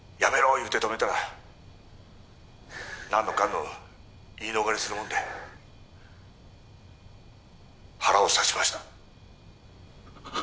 言うて止めたら何のかんの言い逃れするもんで腹を刺しました